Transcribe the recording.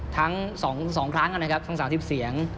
ทั้งสองครั้งกันนะครับทั้งสามทรีปเสียง